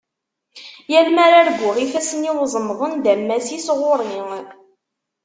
Yal mi ara arguɣ ifassen-iw ẓemḍen-d ammas-is ɣur-i.